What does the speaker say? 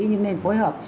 nhưng nên phối hợp